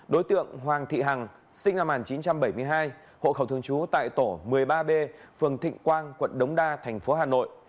đối tượng hoàng thị hằng sinh năm một nghìn chín trăm bảy mươi hai hộ khẩu thường trú tại tổ một mươi ba b phường thịnh quang quận đống đa thành phố hà nội